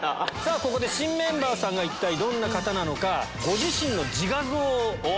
ここで新メンバーさんが一体どんな方なのか。